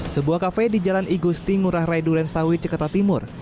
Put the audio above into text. sebuah kafe di jalan igusti ngurah rai duren sawit jakarta timur